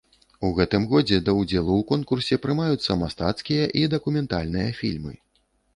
У гэтым годзе да ўдзелу ў конкурсе прымаюцца мастацкія і дакументальныя фільмы.